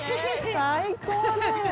最高だよ！